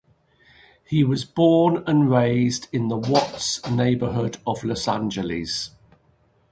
Hall was born and raised in the Watts neighborhood of Los Angeles.